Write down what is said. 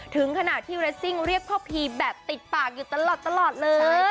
ถึงขนาดที่เรสซิ่งเรียกพ่อพีแบบติดปากอยู่ตลอดเลย